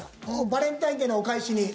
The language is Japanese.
バレンタインデーのお返しに。